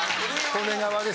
利根川で。